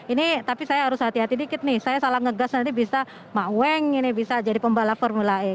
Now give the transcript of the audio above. ini tapi saya harus hati hati dikit nih saya salah ngegas nanti bisa mak weng ini bisa jadi pembalap formula e